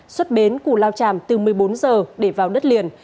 xuất bến củ lao tràm từ một mươi bốn h để vào đất liền